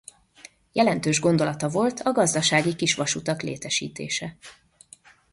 Jelentős gondolata volt a gazdasági kisvasutak létesítése.